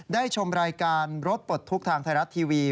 ชมรายการรถปลดทุกข์ทางไทยรัฐทีวี